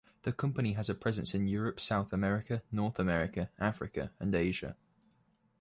The company has a presence in Europe, South America, North America, Africa and Asia.